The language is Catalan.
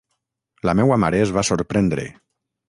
La meua mare es va sorprendre.